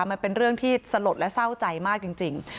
มันเป็นเรื่องที่สลดและเศร้าใจมากจริง